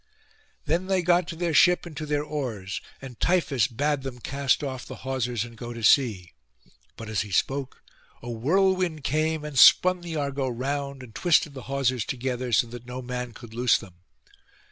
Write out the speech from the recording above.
Then they got to their ship and to their oars, and Tiphys bade them cast off the hawsers and go to sea. But as he spoke a whirlwind came, and spun the Argo round, and twisted the hawsers together, so that no man could loose them.